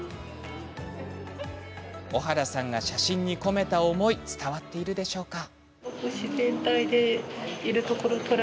小原さんが写真に込めた思い伝わっているのでしょうか。